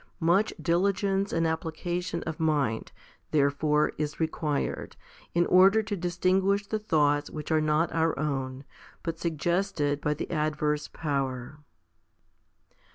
Much diligence and application of mind, therefore, is required, in order to distinguish the thoughts which are not our own, but suggested by the adverse power.